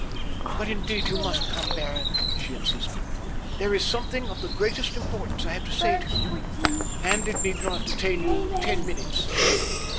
"But, indeed, you must come in, Baron," she insisted. "There is something of the greatest importance I have to say to you, and it need not detain you ten minutes."